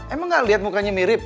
emang gak lihat mukanya mirip